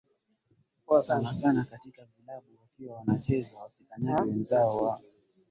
sana sana katika vilabu wakiwa wanacheza wasikanyange wenzao wa